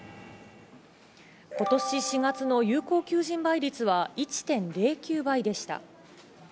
今年４月の有効求人倍率は１．０９倍でした。